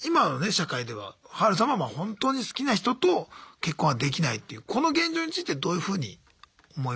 社会ではハルさんは本当に好きな人と結婚はできないというこの現状についてどういうふうに思いますか？